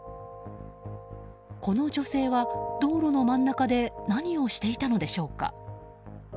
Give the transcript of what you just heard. この女性は道路の真ん中で何をしていたのでしょうか。